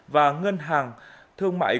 và ngân hàng thương mại